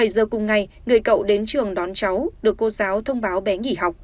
bảy giờ cùng ngày người cậu đến trường đón cháu được cô giáo thông báo bé nghỉ học